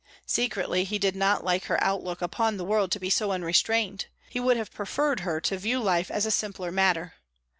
Secretly, he did not like her outlook upon the world to be so unrestrained; he would have preferred her to view life as a simpler matter.